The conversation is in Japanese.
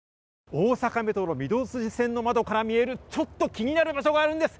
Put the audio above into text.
大阪メトロ御堂筋線の窓から見える、ちょっと気になる場所があるんです。